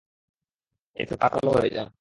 এতে তা আটালো হয়ে যায়।